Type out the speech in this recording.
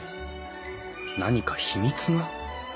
何か秘密が？